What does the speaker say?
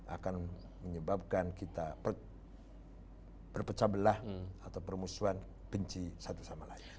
akan menyebabkan kita berpecah belah atau permusuhan benci satu sama lain